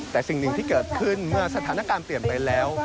แต่สิ่งหนึ่งที่เกิดขึ้นเมื่อสถานการณ์เปลี่ยนไปแล้ว